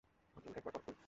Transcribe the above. ভাবলাম একবার পরখ করি।